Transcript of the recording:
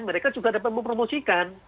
mereka juga dapat mempromosikan